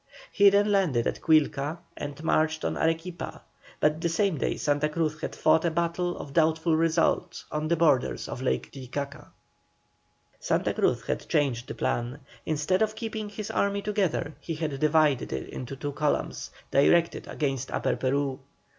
He then landed at Quilca and marched on Arequipa; but the same day Santa Cruz had fought a battle of doubtful result on the borders of Lake Titicaca. Santa Cruz had changed the plan. Instead of keeping his army together he had divided it into two columns, directed against Upper Peru.